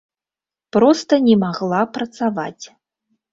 Проста не магла працаваць.